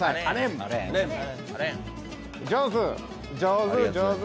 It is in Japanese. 上手！